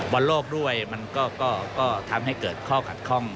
วันโลกด้วยมันก็ทำให้เกิดค่อกัดคล่อง